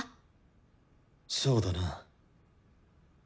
そうだな。